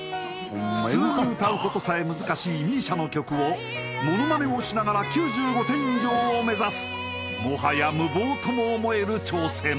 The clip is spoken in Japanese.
普通に歌うことさえ難しいＭＩＳＩＡの曲をモノマネをしながら９５点以上を目指す